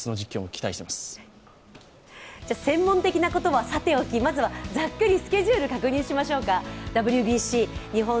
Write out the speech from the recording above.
専門的なことはさておき、まずはざっくりスケジュールを確認しましょうか。